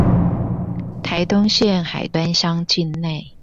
臺東縣海端鄉境內